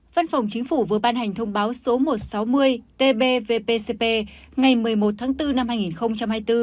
văn phòng chính phủ vừa ban hành thông báo số một trăm sáu mươi tb vpcp ngày một mươi một tháng bốn năm hai nghìn hai mươi bốn